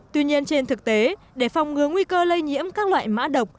tuy nhiên trên thực tế để phòng ngứa nguy cơ lây nhiễm các loại mã độc